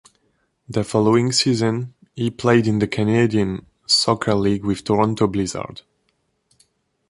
The following season he played in the Canadian Soccer League with Toronto Blizzard.